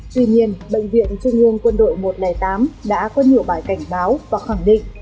tuy nhiên bệnh viện trung ương quân đội một trăm linh tám đã có nhiều bài cảnh báo và khẳng định